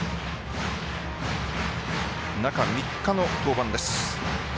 中３日の登板です。